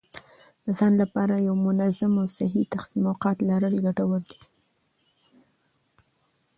د ځان لپاره د یو منظم او صحي تقسیم اوقات لرل ګټور دي.